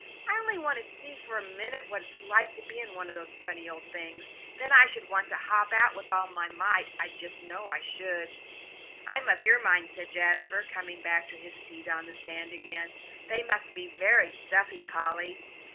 I only want to see for a minute what it's like to be in one of those funny old things. Then I should want to hop out with all my might, I just know I should." "I'm of your mind," said Jasper, coming back to his seat on the sand again. "They must be very stuffy, Polly.